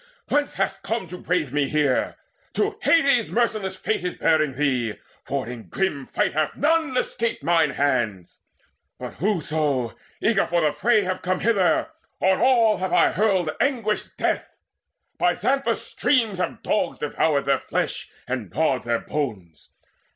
Whence hast come to brave me here? To Hades merciless Fate is bearing thee; For in grim fight hath none escaped mine hands; But whoso, eager for the fray, have come Hither, on all have I hurled anguished death. By Xanthus' streams have dogs devoured their flesh And gnawed their bones.